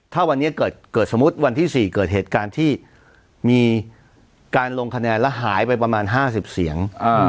ถ้าวันนี้เกิดสมมุติวันที่๔เกิดเหตุการณ์ที่มีการลงคะแนนแล้วหายไปประมาณ๕๐เสียง